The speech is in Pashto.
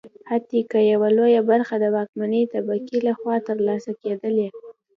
حتی که یوه لویه برخه د واکمنې طبقې لخوا ترلاسه کېدلی.